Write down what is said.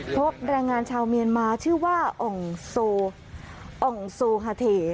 พบรายงานชาวเมียนมาชื่อว่าองซูฮาเท